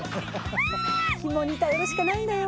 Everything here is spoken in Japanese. ひもに頼るしかないんだよ